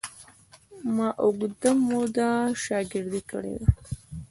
ما اوږده موده شاګردي کړې ده.